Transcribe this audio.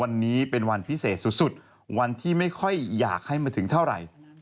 กระเทยเก่งกว่าเออแสดงความเป็นเจ้าข้าว